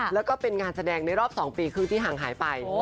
แล้วก็เป็นงานแสดงในรอบ๒ปีครึ่งที่ห่างหายไป